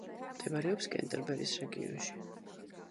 მდებარეობს კენტერბერის რეგიონში.